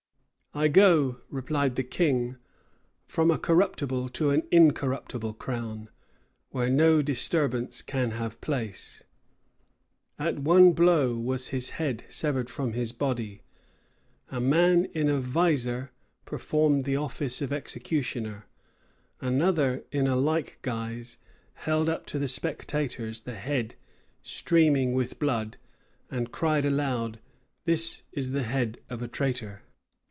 "I go," replied the king, "from a corruptible to an incorruptible crown; where no disturbance can have place." At one blow was his head severed from his body. A man in a visor performed the office of executioner: another, in a like disguise, held up to the spectators the head, streaming with blood, and cried aloud, "This is the head of a traitor!"